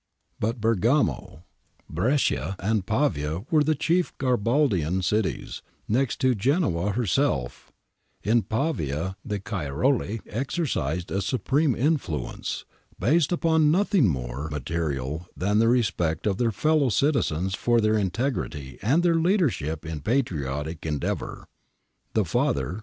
^ But Bergamo, Brescia, and Pavia were the chief Garibaldian cities, next to Genoa herself In Pavia the Cairoli exercised a supreme influence, based upon nothing more material than the respect of their fellow citizens for their integrity and their leadership in patriotic endeavour. The father.